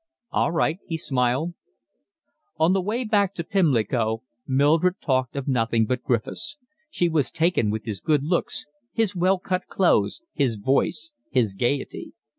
"All right," he smiled. On the way back to Pimlico Mildred talked of nothing but Griffiths. She was taken with his good looks, his well cut clothes, his voice, his gaiety.